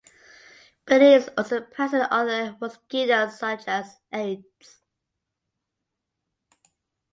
But it is also present in other mosquitos such as "Aedes".